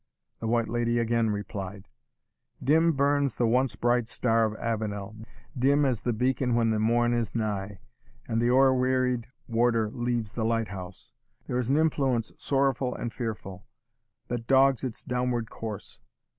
The White Lady again replied, "Dim burns the once bright star of Avenel, Dim as the beacon when the morn is nigh, And the o'er wearied warder leaves the light house; There is an influence sorrowful and fearful. That dogs its downward course.